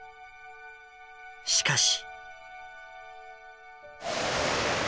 しかし。